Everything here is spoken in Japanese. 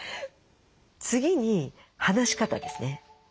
次に話し方ですね。